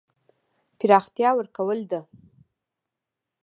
پراختیا ورکول ده.